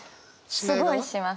すごいします。